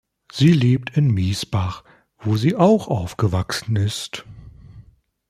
Sie lebt in Miesbach, wo sie auch aufgewachsen ist.